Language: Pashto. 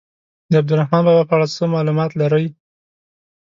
د عبدالرحمان بابا په اړه څه معلومات لرئ.